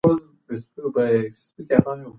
شکونه لرې کړئ.